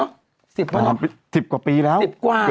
๑๐กว่าหรอ๑๐กว่าปีแล้วเกือบ๒๐กว่าหรอ